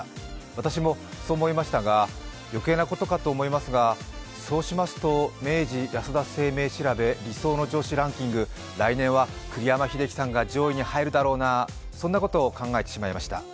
私もそう思いましたが、余計なことかと思いますが、そうしますと明治安田生命調べ理想の上司ランキング、来年は栗山英樹さんが上位に入るだろうな、そんなことを考えてしまいました。